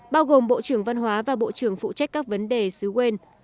bao gồm bộ trưởng văn hóa và bộ trưởng phụ trách các vấn đề xứ quên